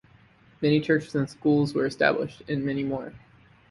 Many churches and schools were established in many more.